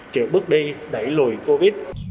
triệu bước đi đẩy lùi covid